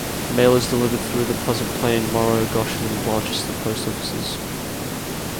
Mail is delivered through the Pleasant Plain, Morrow, Goshen, and Blanchester post offices.